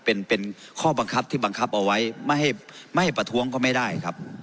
เป็นข้อบังคับที่บังคับเอาไว้ไม่ให้ไม่ประท้วงก็ไม่ได้ครับ